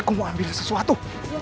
aku mau ambil sesuatu